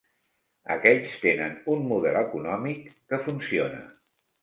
Aquells tenen un model econòmic que funciona.